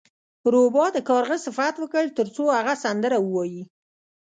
روباه د کارغه صفت وکړ ترڅو هغه سندره ووایي.